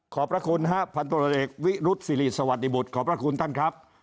ขอบพระคุณครับพันธุระเอกวิรุษฎีสวัสดีบุษขอบพระคุณท่านครับ